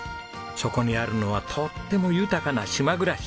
そこにあるのはとっても豊かな島暮らし。